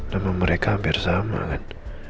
nama mereka hampir sama kan